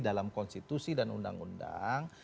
dalam konstitusi dan undang undang